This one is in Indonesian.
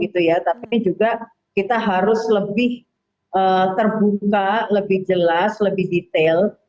tapi juga kita harus lebih terbuka lebih jelas lebih detail